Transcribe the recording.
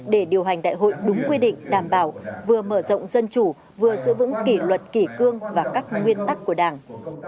để điều hành đại hội đúng quy định đảm bảo vừa mở rộng dân chủ vừa giữ vững kỷ luật kỷ cương và các nguyên tắc của đảng